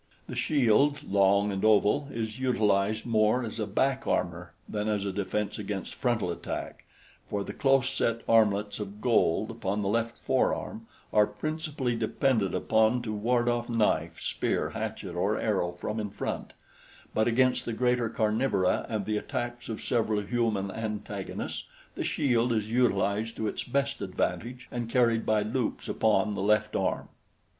The shield, long and oval, is utilized more as back armor than as a defense against frontal attack, for the close set armlets of gold upon the left forearm are principally depended upon to ward off knife, spear, hatchet, or arrow from in front; but against the greater carnivora and the attacks of several human antagonists, the shield is utilized to its best advantage and carried by loops upon the left arm.